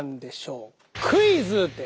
クイズです。